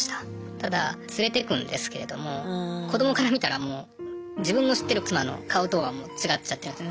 ただ連れてくんですけれども子どもから見たらもう自分の知ってる妻の顔とはもう違っちゃってるんですね。